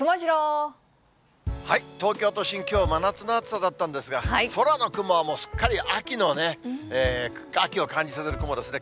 東京都心、きょう、真夏の暑さだったんですが、空の雲は、もうすっかり秋を感じさせる雲ですね。